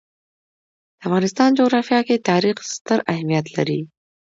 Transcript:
د افغانستان جغرافیه کې تاریخ ستر اهمیت لري.